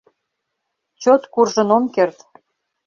Чот куржын ом керт.